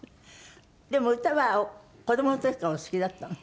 でも歌は子どもの時からお好きだったの？